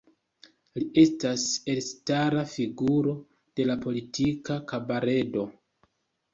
Li estas elstara figuro de la politika kabaredo.